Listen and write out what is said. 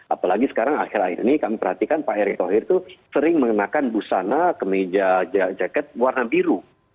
apalagi sekarang akhir akhir ini kami perhatikan pak erick thohir itu sering mengenakan busana kemeja jaket warna biru